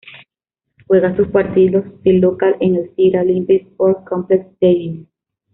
Juega sus partidos de local en el Zira Olympic Sport Complex Stadium.